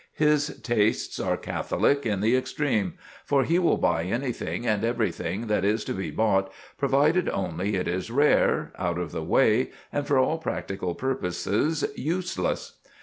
His tastes are catholic in the extreme; for he will buy anything and everything that is to be bought, provided only it is rare, out of the way, and for all practical purposes useless.